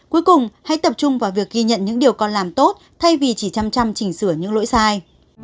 cuối cùng hãy tập trung vào việc ghi nhận những điều con làm tốt thay vì chỉ chăm chăm chỉnh sửa những lỗi sai